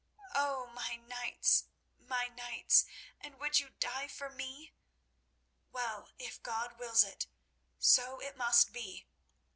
"Oh, my knights! my knights! And would you die for me? Well, if God wills it, so it must be.